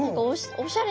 おしゃれ！